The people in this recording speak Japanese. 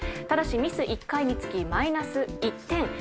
ただしミス１回につきマイナス１点。